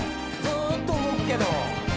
ずっと動くけど。